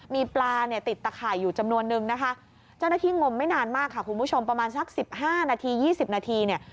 มีปลาเนี่ยติดตะข่ายอยู่จำนวนนึงนะคะเจ้าหน้าที่งมไม่นานมากค่ะคุณผู้ชมประมาณสักสิบห้านาที๒๐นาทีเนี่ย